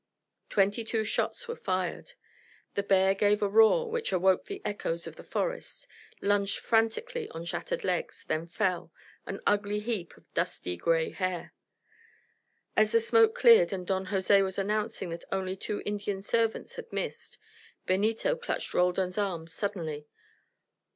Twenty two shots were fired. The bear gave a roar which awoke the echoes of the forest, lunged frantically on shattered legs, then fell, an ugly heap of dusty grey hair. As the smoke cleared and Don Jose was announcing that only two Indian servants had missed, Benito clutched Roldan's arm suddenly.